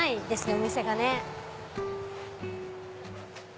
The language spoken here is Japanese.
お店がね。